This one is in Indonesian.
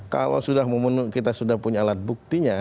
kalau kita sudah punya alat buktinya